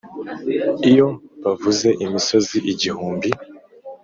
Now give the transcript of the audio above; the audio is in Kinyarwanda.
iyo bavuze imisozi igihumbi